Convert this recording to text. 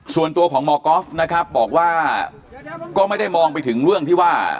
ส่วนตัวของหมอก๊อฟนะครับบอกว่าก็ไม่ได้มองไปถึงเรื่องที่ว่า